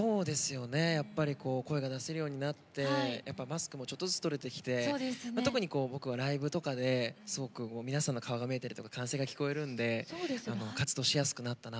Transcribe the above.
やっぱり声が出せるようになってマスクもちょっとずつ取れてきて特に、僕はライブとかで皆さんの顔が見えたり歓声が聞こえるんで活動しやすくなったなと。